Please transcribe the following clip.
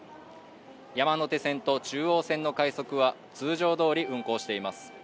山手線と中央線の快速は通常どおり運行しています